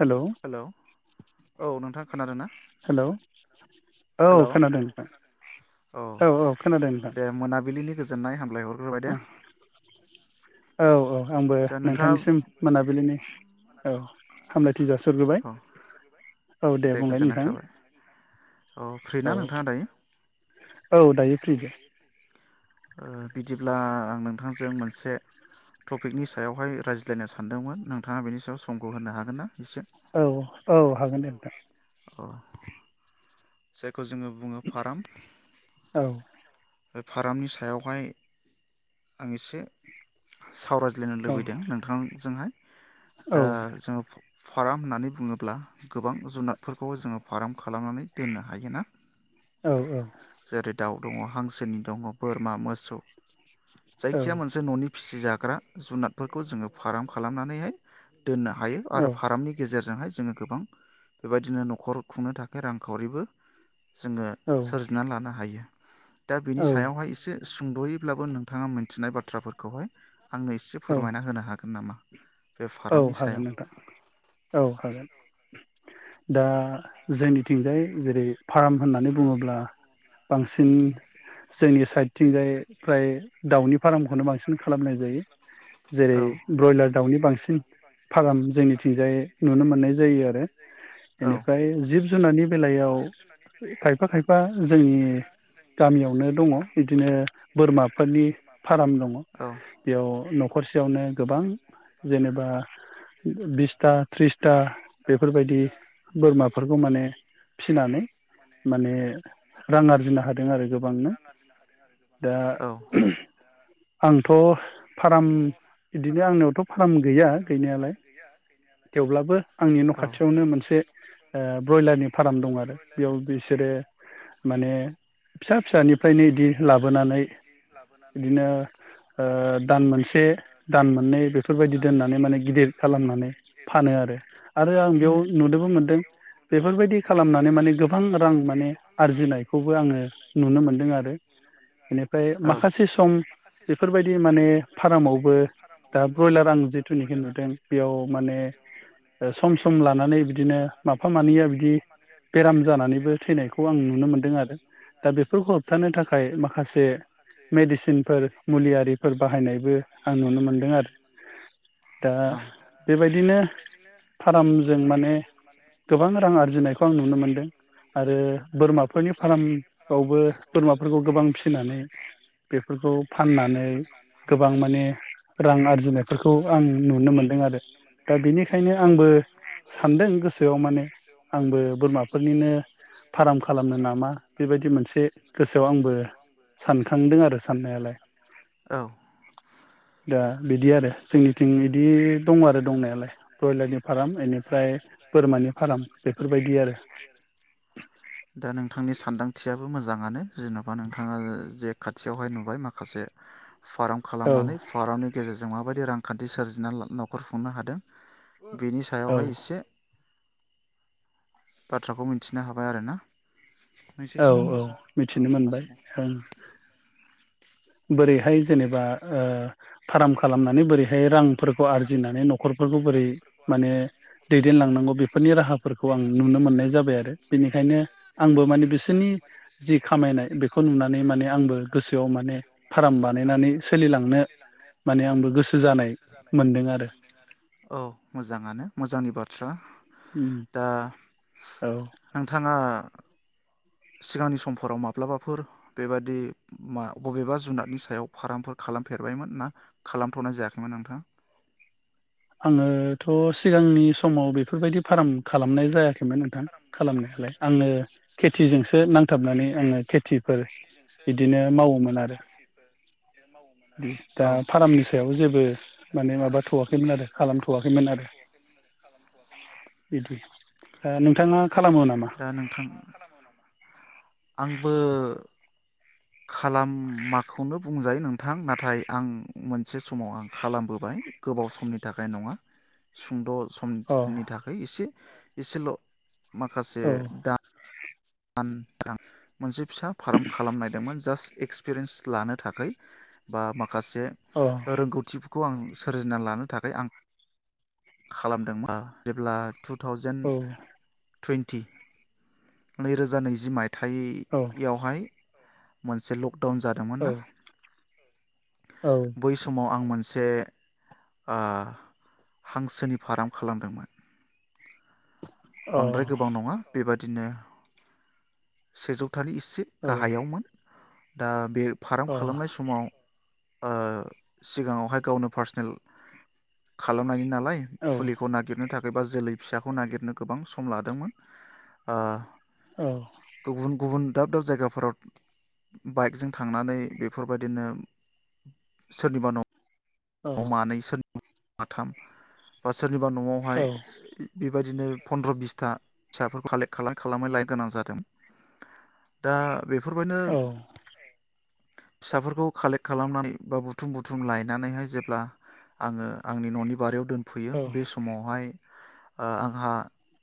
Hello औ नोंथां खोनादों ना हेलौ औ हेलौ खोनादों नोंथां औ औ खोनादों नोंथां। दे मोनाबिलिनि गोजोननाय हाम आ औ औ आंबो जा नोंथाङा नोंथांनिसिम मोनाबिलिनि औ हामलाय थि जासि हरग्रोबाय औ औ दे बुंलाय गोजोननाय नोंथां थाबाय औ फ्रि ना नोंथाङा दायो औ औ दायो फ्रि दे ओ बिदिब्ला आं नोंथांजों मोनसे टपिकनि सायावहाय रायज्लायनो सानदोंमोन। नोंथाङा बेनि सायाव समखौ होनो हागोन ना एसे? औ औ हागोन दे नोंथां। औ सेद खौ जोङो बुङो फाराम औ बे फारामनि सायावहाय आं एसे सावरायज्लायनो औ लुबैदों नोंथांजोंहाय दा औ जोङो फु फाराम होननानै बुङोब्ला गोबां जुनादफोरखौ जोङो फार्म खालामनानै दोननो हायो ना औ जेरै दाउ। दङ हांसो गोनि दङ बोरमा, मोसौ औ जायखिया मोनसे न'नि फिसि जा ग्रा जुनादफोरखौ जोङो फार्म खालामनानैहाय दोननो हायो औ आरो फार्मनि गेजेरज जोंहाय जोङो गोबां बेबायदिनो न'खर खुंनो थाखाय रांखावरिबो जोङो सोरजिनानै लानो हायो। दा बिनि औ सायावहाय इसे सुं दयैब्लाबो नोंथाङा मिनथिनाय बाथ्राफोरखौहाय आंनो एसे फोरमायना होनो हागोन नामा बे औ फारामनि हागोन सायाव नोंथां औ हागोन दा जोंनिथिंजाय जेरै फार्म होननानै बुङोब्ला बांसिन जोंनि साइडथिंजाय फ्राय दाउनि फार्मखौनो बांसिन खालामनाय जायो औ जेरै ब्रयलार दाउनि बांसिन फाराम जोंनिथिंजाय नुनो मोननाय जायो आरो औ एनिफ्राय जि [unintelligible] बेलायाव खायफा खायफा जोंनि गामियावनो दङ बिदिनो बोरमाफोरनि फार्म दङ औ बेयाव न'खरसेयावनो गोबां जेनेबा बिसथा थ्रिसथा बेफोरबायदि बोरमाफोरखौ माने फि माने रां आरजिनो हादों आरो गोबांनो दा आंथ' फार्म बिदिनो आंनियावथ' फार्म गैया गैनायालाय थेवब्लाबो आंनि न' औ खाथियावनो मोनसे ओ ब्रयलारनि फार्म दं आरो बेयाव ब्रयलारनि फार्म बिसोरो दं आरो बेयाव माने बिसोरो फिसा माने फिसानिफ्रायनो इदि फिसा लाबोनानै फिसानिफ्रायनो इदि लाबोनानै बिदिनो ओ बिदिनो दान मोनसे दान मोननै बेफोरबायदि दोननानै माने गिदिर खालामनानै फानो आरो आरो आं बेयाव नुनोबो मोनदों बेफोरबायदि खालामनानै माने बेफोरबायदि गोबां रां खालामनानै माने गोबां रां माने आरजिनायखौबो आङो आरजिनायखौबो नुनो आङो मोनदों आरो नुनो मोनदों आरो बेनिफ्राय औ ओमफ्राय माखासे सम बेफोर फारामावबो दा ब्रयलार आं जिथुनिखि नुदों बेयाव माने सम सम लानानै बिदिनो माफा मानैया बिदि बेराम जानानैबो थैनायखौ आं नुनो मोनदों आरो दा बेफोरखौ होबथानो थाखाय माखासे मेडिसिनफोर मुलियारिफोर बाहायनाय आं नुनो मोनदों आरो दा बेबायदिनो फार्मजों माने गोबां रां आरजिनायखौ आं नु नुनो मोनदों आरो बोरमाफोरनि फार्मावबो बोरमाफोरखौ गोबां फिसिनानै बेफोरखौ फाननानै गोबां माने रां आरजिनाय बेफोरखौ आं नुनो मोन्दों आरो दा बेनिखायनो आंबो सान्दों गोसोआव माने आंबो बोरमाफोरनिनो फार्म खालामनो नामा बेबायदि मोनसे गोसोआव आंबो सानखांदों आरो साननायालाय औ औ दा बिदि आरो जोंनिथिं बिदि दं आरो दंनायालाय ब्रयलारनि फार्म एनिफ्राय बोरमानि फार्म बेफोरबायदि आरो दा नोंथांनि सानदांथियाबो मोजाङानो जेन'बा नोंथाङा जे खाथियावहाय नुबाय माखासे फार्म औ खालामनानै फार्मनि गेजेरजों माबाय रांखान्थि सोरजिना न'खर खुंनो हादों बेनि औ सायावहाय एसे बाथ्राखौ मिथिनो हाबाय आरोना नोंसो औ औ सिगांग्रोसो आं मिथिनो मोनबाय थांगासिनो दं। ओं बोरैहाय जेनेबा ओ फाराम खालामनानै बोरैहाय रांफोरखौ आरजिनानै न' खरफोरखौ बोरै माने दैदेनलांनांगौ बेफोरनि राहाफोरखौ आं नुनो मोननाय जाबाय आरो बिनिखायनो आंबो माने बिस आंबो माने बिसोरनि जि खामायनाय बेखौ नुनानै माने आंबो गोसोआव माने फार्म बानायनानै सोलिलांनो माने आंबो गोसो जानाय मोनदों आरो। औ मोजाङानो मोजांनि बाथ्रा। उम दा औ नोंथाङा [inaudible] सिगांनि समफोराव माब्लाबाफोर बेबादि मा बबेबा जुनादनि सायाव फार्मफोर खालामफेरबायमोन ना खालामथ'नाय जायाखैमोन नोंथाङा? आङोथ' सिगांनि समाव बेफोरबायदि फार्म खालामनाय जायाखैमोन नोंथां खालामनायालाय आंनो खेथिजोंसो नांथाबनानै आङो खेथिफोर बिदिनो मावोमोन आर [unintelligible] [unintelligible] दा औ फार्मनि सायाव जेब बो माने माबाथ'आखैमोन आरो लामथ'वाखैमोन आरो बिदि ओ नोंथाङा खालामो नामा? दा नोंथां आंबो खालामाखौनो बुंजायो नोंथां नाथाय आं मोनसे समाव आं खालामबोबाय गोबाव समनि थाखाय नङा सुंद' अ समनि थाखोय इसे इसेल' माखासे औ दा बानफ्रां मोनसे फिसा फार्म खालामनायदोंमोन जास्ट एक्स पेरेयन्स लानो थाखोय बा मा खासे अ रोंगौथिफो खौ आं सोरजिना लानो थाखाय आं खालामदोंबा जेब्ला टु थावजेेन औ टुइन्टि नैरोजा नैजि माय औ थाइयावहाय मोनसेल दाउन जादोंमोन ना औ अ औ बै समाव आं मोनस जे आ हांसोनि फार्म खालामदोंमोन। अ औ बांद्राय गोबां नङा बेबायदि बिदिनो सेजौ हथानि एसे औ गाहायावमोन दा बे फार्म खालामनाय समाव ओ सिगाङावहाय गावनो पार्सनेल खालामनायनि औ फुलिखौ नागिरनो थाखाय बा जोलै फिसाखौ नागिरनो गोबां सम लादोंमोन औ गुबुन गुबुन दाब दाब जायगाफोराव बाइकजों थांनानै बेफोरबायदिनो सोरनिबा न' मानैसो [unintelligible] सोरनिबा न'आवहाय बेबायदिनो फन्द्र बिसथा फिसाफोर खालेख खालाम खालाम लाय गोनां जादों दा बेफ फोरबायनो फिसाफोरखौ कालेक्ट खालामनानै बा बुथुम बुथुम लायनानैहाय जों ब्ला आङो आंनि न'नि बारियाव दोनफैयो बे समावहाय ओ आंहा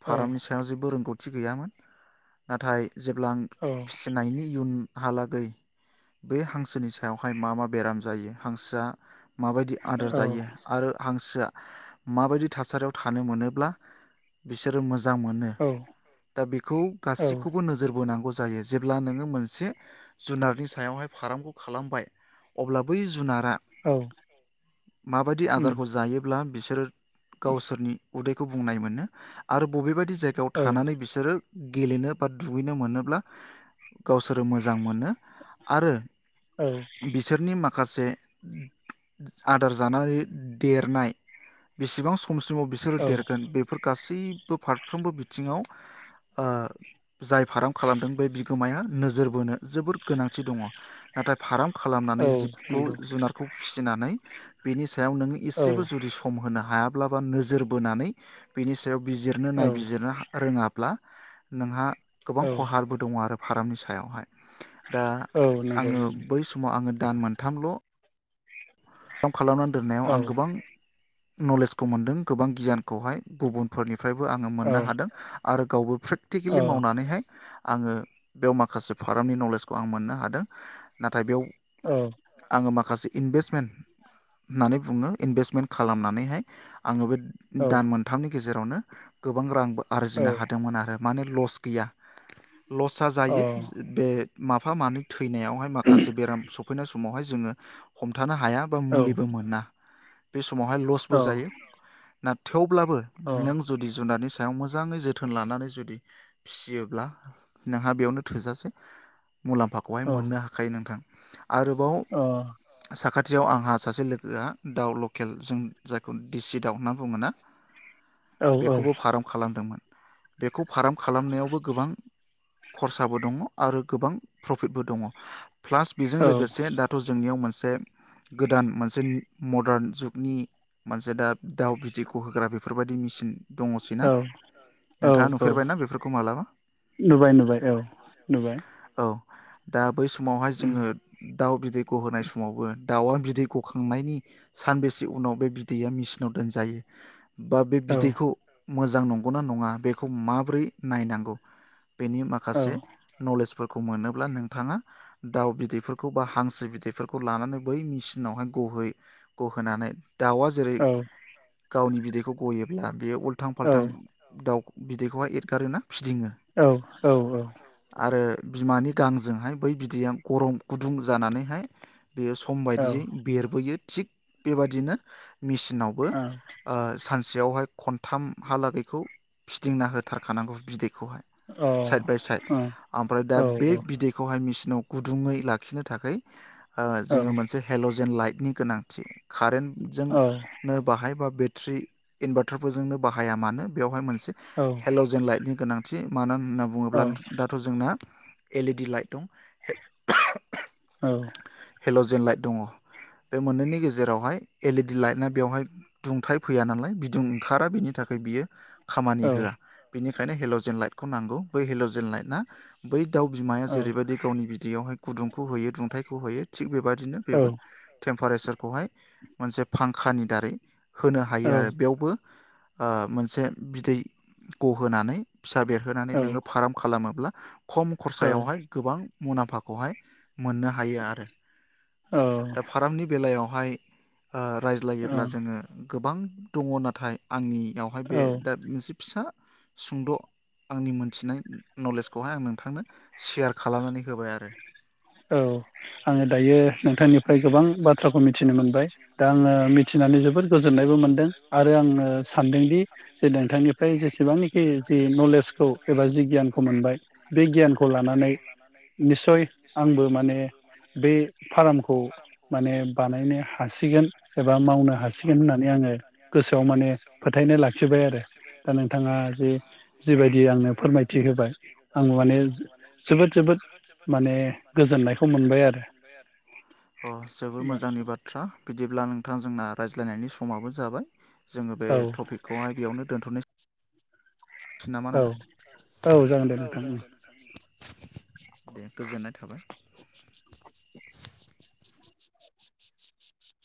फारामनि सायाव जेबो रोंगौथि थि गैयामोन नाथाय जेब्ला आं फिसिनायनि इयुन हालागै बे हांसोनि सायावहाय मा मा बेराम जायो हांसोआ माबाय आदार जायो आरो हांसोआ माबायदि थासारियाव थानो मोनोब्ला बिसोरो मोजां मोजां मोनो दा बेखौ गासिखौबो औ नोजोर बोनां गौ जायो नोङो मोनसे जुनारनि सायावहाय फारामखौ खालामबाय अब्ला बै जुनार औ माबायदि उम आदारखौ जायो ब्ला बिसोरो गावसोरनि उदैखौ बुंनाय मोनो आरो बबेबाय बायदि जायगायाव औ थानानै बिसोरो गेलेनो बा दुगैनो मोनोब्ला गावसोरो मोजां मोनो आरो बिसोरनि माखासे माखासे आदार जानानै देरनाय बेसेबां सम खमसिमाव बिसोरो देरगोन बेफोरखौ गासैबो फारफ्रोमबो बिथिङाव जाय ओ जाय फार्म खालामदों बै बिगोमाया नोजोर बोनो जोबोर गोनांथि दङ नाथाय फाराम खालामनानै जिबखौ जुनारखौ फिसि नै बेनि सा याव नों इसेबो जुदि सम होनो हाया माब्लाबा नोजोर बोनानै बिनि सायाव बिजिरनो औ नायबिजिरनो रोङाब्ला नोंहा गोबां खहाबो दङ आरो फारामनि सायावहाय दा औ नंगौ आङो बै समाव आङो दान मोनथामल' फार्म खालामनानै दोननायाव औ आं गोबां नलेजखौ मोनदों गोबां गियानखौहाय गुबुनफोरनि निफ्रायबो आङो औ नंगौ मोननो हादों आरो गावबो प्रेकटिकेलि नंगौ मावनानैहाय आङो बेयाव माखासे फार्मनि नलेजखौ आं मोननो हादों ना नाथाय बेयाव औ अ औ आङो माखासे माखासे इनभेस्टमेन्ट होननानै बुङो इनभेस्टमेन्ट खालामनानैहाय आङो बे औ दान मोनथामनि गेजेरावनो गोबां रां आरजिनो हादोंमोन आरो माने लस गैया लस आ जायो औ बे माफा मानै फैनायावहाय माखासे बेराम सफैनाय समावहाय जोङो हमथानो हाया बा अ औ मुलिबो मोना बेस समावहाय औ लसबो जायो नाथाय थेवब्लाबो औ नों जुदि जुनार स सायाव मोजाङै जोथोन लानानै जुदि फिसियोब्ला नोंहा बेयावनो थोजासे मुलाम्फाखौहाय औ मोननो हाखायो नोंथां आरोबाव औ साखाथि थियाव आं आंहा सासे लोगोआ दाउ लकेल जों जायखौ दिसि दाउ होनना बुङो ना औ बेखौबो फारम खालामदोंमोन बेखौ फार्म खालामनायावबो गोबां खरसाबो दङ आरो गोबां प्रफिटबो दङ प्लास बेजों लोगोसे दाथ' जोंनियाव मोनसे से गोदान मोनसे मदारन जुगनि मोनसे दा दाउ बिदै गहोग्रा बेफोरबायदि मेसिन औ औ औ नुफेरबायना बेफोरखौ मालाबा नुबाय नुबाय औ नुबाय औ दा बै समावहाय जोङो दाउ बिदैखौ होनाय समावबो दाउआ बिदै गखांनायनि सानबेसे उनाव बे बिदैया मेचिनाव दोनजायो बा बे औ बिदैखौ मोजां नंगौना नङा बेखौ माबोरै नायनांगौ बेनि औ माखासे नलेजफोर मोनोब्ला नोंथाङा दाउ बिदैफोरखौ बा हांसो बिदैफोरखौ लानानै बै मिसिनावहाय गहो गहोनानै दाउआ जेरै औ गावनि बेखौ गयोब्ला बे फालथां औ फाल्थां दाउ बिदैखौहाय एरगारोना फिदिङो औ औ औ आरो बिमानि गांजोंहाय बै बिदैया गरम गुदुं जानानैहाय बेयो सम औ बादियै बेरबोयो थिग बेबादिनो मेसिनावबो ओ सानसेयावहाय खनथाम हालागैखौ फिदिंना होथारखानांगौ बिदैखौहाय औ साइद बाय साइद औ ओमफ्राय दा औ बे बिदैखौहाय मिसिन आव गुदुङै लाखिनो थाखाय जोङो मोनसे हेल'जेन लाइट नि गोनांथि कारेन्ट जोंनो बाहायबा बेट्रि इनभार्टारफोरजोंनो बाहाया मानो बेयाव बा मोनसे हेल' जेन लाइटनि गोनांथि थिमानानै होनना बुङोब्ला दाथ' जोंना एलइडि लाइट दं औ जेन लाइट दङ बे मोननैनि गेजेरावहाय एलइडि लाइटना बेवहाय दुंथाइ फैया नालाय बिदुं ओंखारा बिनि थाखाय बियो खामानि होआ बेनि बेखायनो हेल'जेन लाइटखौ नांगौ बै हेल'जेन लाइटआ बै दाउ बिमाया जेरैबायदि गावनि बिदैयावहाय गुदुंखौ होयो दुंथायाइखौ होयो थिग बेबायदि बिदिनो बेबो थेव टेमपारेसारखौहाय मोनसे फांखानि दारै होनो हायो आरो बेयावबो ओ मोनसे बिदै गहोनानै फिसा बेरहोनानै नोङो फार्म खालामोब्ला खम खरसायावहाय गोबां मुलाम्फाखौहाय मोननो हायो दा फार्मनि बेलायाव हाय ओ औ रायज्लायोब्ला जोङो गोबां दङ' नाथाय आंनि बेवहाय औ बे औ दा मोनसे फिसा सुंद' आंनि मोनथिनाय नलेजखौहाय आं नोंथांनो सेयार खालामनानै होबाय आरो औ आङो दायो नोंथांनिफ्राय गोबां बाथ्रा बाथ्राखौ मिथिनो मोनबाय दा आङो मिथिनानै जोबोद गोजोननायबो मोनदों आरो आङो सानदोंदि जे नोंथांनिफ्राय जेसेबांनाखि जि नलेजखौ एबा जि गियानखौ मोनबाय बे गियानखौ लानानै निसय आंबो माने बे फार्मखौ माने बानायनो हासिगोन एबा मावनो हासिगोन होननानै आङो गोसोआव माने फोथायनाय लाखिबाय आरो दा नोंथाङा जे जिबायदि आंनो फोरमायथि होबाय आं माने जोबोद जोबोद माने गोजोननायखौ मोनबाय आरो अ जोबोर मोजांनि बाथ्रा बि बिदिब्ला नोंथां जोंना रायज्लायनायनि समाबो जाबाय जोङो बे औ टपिकखौहाय बेयावनो दोनथ'नो औ औ जागोन दे नोंथां ओं दे गोजोननाय थाबाय [unintelligible]